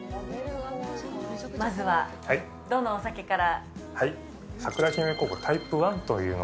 まずは、どのお酒から？